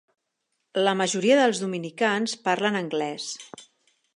La majoria dels dominicans parlen anglès.